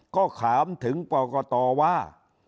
ก็ถามถึงกรกตว่า